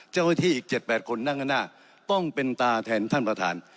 เจ้าพอธิอีก๗๘ที่นั่งเงินหน้าต้องเป็นตาแทนท่านประธาน